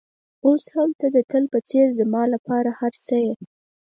اوس هم ته د تل په څېر زما لپاره هر څه یې.